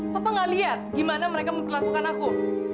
papa tidak melihat bagaimana mereka memperlakukan aku